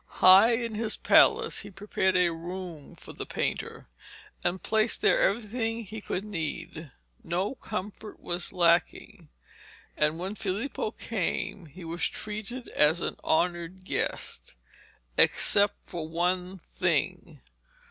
High in his palace he prepared a room for the painter, and placed there everything he could need. No comfort was lacking, and when Filippo came he was treated as an honoured guest, except for one thing.